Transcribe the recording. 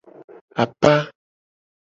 Apa.